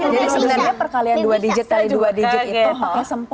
jadi sebenarnya perkalian dua digit kali dua digit itu pakai sempoh